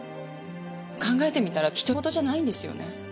考えてみたらひとごとじゃないんですよね。